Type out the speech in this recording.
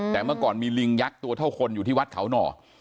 แต่เมื่อก่อนมีลิงยักษ์ตัวเท่าคนอยู่ที่วัดเขาหน่อ